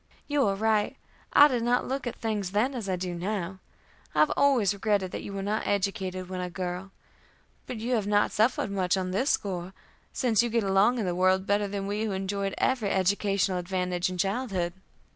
"You are right. I did not look at things then as I do now. I have always regretted that you were not educated when a girl. But you have not suffered much on this score, since you get along in the world better than we who enjoyed every educational advantage in childhood."